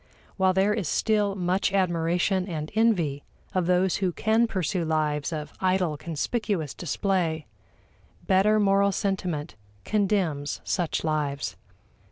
While there is still much admiration and envy of those who can pursue lives of idle conspicuous display, better moral sentiment condemns such lives.